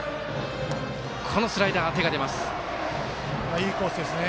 いいコースですね。